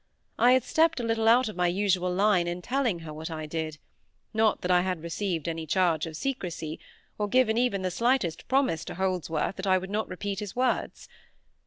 I had stepped a little out of my usual line in telling her what I did; not that I had received any charge of secrecy, or given even the slightest promise to Holdsworth that I would not repeat his words.